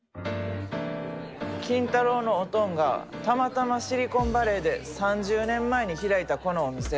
金太郎のおとんがたまたまシリコンバレーで３０年前に開いたこのお店。